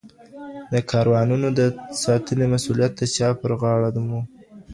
د کاروانونو د ساتنې مسوولیت د چا پر غاړه و؟